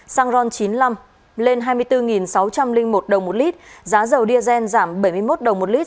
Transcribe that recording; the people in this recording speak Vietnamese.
xăng ron chín mươi năm lên hai mươi bốn sáu trăm linh một đồng một lít giá dầu diazen giảm bảy mươi một đồng một lít